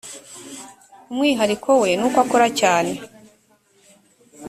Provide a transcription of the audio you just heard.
umwihariko we nuko akora cyane.